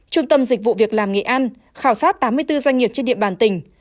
trung tâm dịch vụ việc làm nghệ an khảo sát tám mươi bốn doanh nghiệp trên địa bàn tỉnh